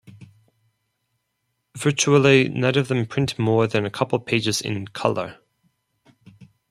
Virtually none of them print more than a couple of pages in colour.